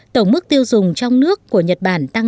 tổng mức tiêu dùng trong nước của nhật bản tăng